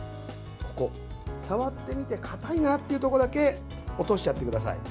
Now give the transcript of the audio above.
ここ、触ってみて硬いなっていうところだけ落としちゃってください。